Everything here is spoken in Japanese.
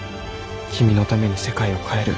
君のために世界を変える。